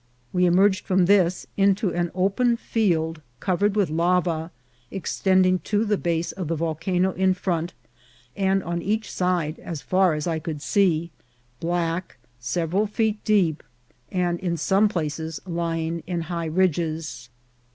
We emerged from this into an open field covered with lava, extending to the base of the volcano in front and on each side as far as I could see, black, several feet deep, and in some places lying in high ridges.